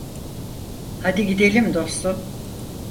Hadi gidelim, dostum.